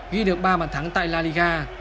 ghi được ba bản thắng tại la liga